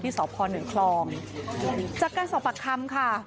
ที่สอบคอหนึ่งคลองจัดการสอบผลักคำค่ะ